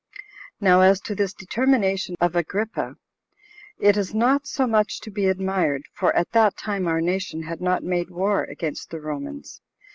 Now as to this determination of Agrippa, it is not so much to be admired, for at that time our nation had not made war against the Romans.